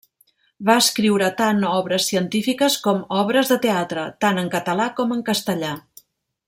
Va escriure tant obres científiques com obres de teatre, tant en català com en castellà.